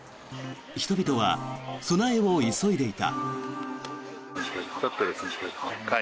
人々は備えを急いでいた。